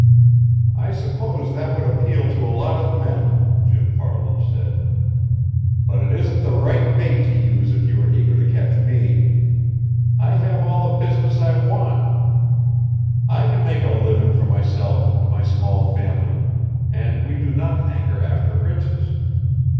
"I suppose that would appeal to a lot of men," Jim Farland said, "but it isn't the right bait to use if you are eager to catch me. I have all the business I want. I can make a living for myself and my small family, and we do not hanker after riches.